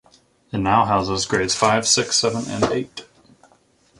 It now houses grades five, six, seven, and eight.